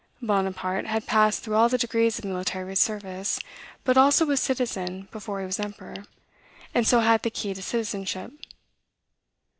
Bonaparte had passed through all the degrees of military service, but also was citizen before he was emperor, and so had the key to citizenship.